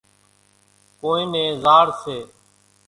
ڪونئين نين زاڙ سي۔